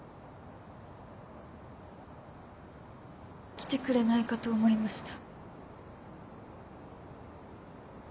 来てくれないかと思いました。